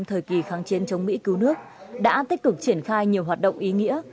thời kỳ kháng chiến chống mỹ cứu nước đã tích cực triển khai nhiều hoạt động ý nghĩa